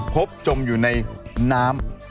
จมอยู่ในน้ำ